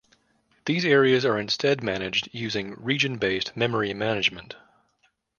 These areas are instead managed using region-based memory management.